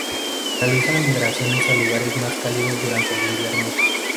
Realiza migraciones a lugares más cálidos durante el invierno.